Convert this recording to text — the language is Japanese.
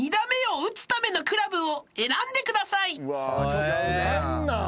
ちょっと何なん？